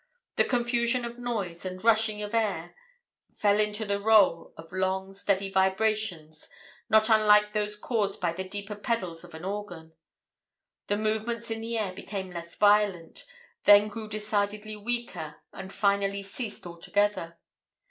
The confusion of noise and rushings of air fell into the roll of long, steady vibrations not unlike those caused by the deeper pedals of an organ. The movements in the air became less violent, then grew decidedly weaker, and finally ceased altogether.